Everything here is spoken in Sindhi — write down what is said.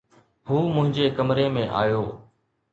هو منهنجي ڪمري ۾ آيو